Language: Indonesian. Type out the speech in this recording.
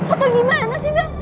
atau gimana sih bel